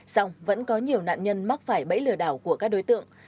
xong vẫn có nhiều nạn nhân mắc phải bẫy lừa đảo của các đối tượng